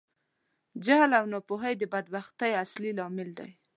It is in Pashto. جهل او ناپوهۍ د بدبختي اصلی لامل دي.